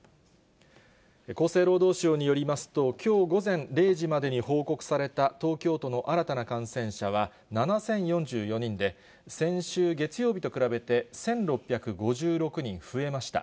厚生労働省によりますと、きょう午前０時までに報告された東京都の新たな感染者は７０４４人で、先週月曜日と比べて１６５６人増えました。